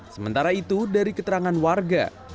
sementara itu dari keterangan warga